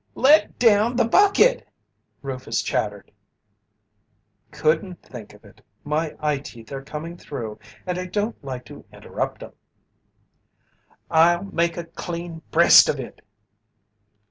"Let down the bucket!" Rufus chattered. "Couldn't think of it. My eyeteeth are coming through and I don't like to interrupt 'em." "I'll make a clean breast of it."